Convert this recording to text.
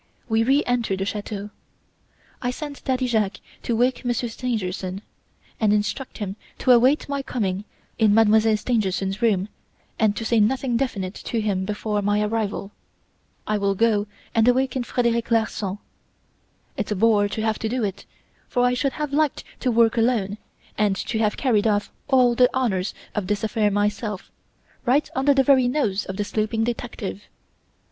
We re enter the chateau. I send Daddy Jacques to wake Monsieur Stangerson, and instruct him to await my coming in Mademoiselle Stangerson's room and to say nothing definite to him before my arrival. I will go and awaken Frederic Larsan. It's a bore to have to do it, for I should have liked to work alone and to have carried off all the honors of this affair myself, right under the very nose of the sleeping detective.